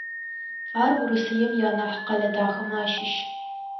Ар Урысыем ианахь къэлэ дахэмэ ащыщ.